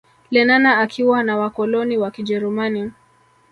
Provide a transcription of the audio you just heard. Lenana akiwa na wakoloni wa kijerumani